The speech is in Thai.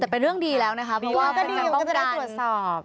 แต่เป็นเรื่องดีแล้วนะคะเพราะว่าก็ต้องการตรวจสอบ